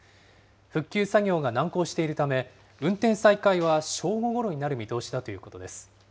復旧作業が難航しているため、運転再開は正午ごろになる見通しだということです。